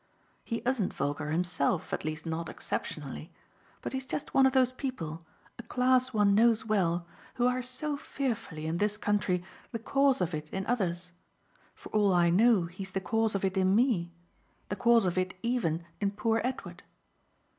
He isn't vulgar himself at least not exceptionally; but he's just one of those people, a class one knows well, who are so fearfully, in this country, the cause of it in others. For all I know he's the cause of it in me the cause of it even in poor Edward.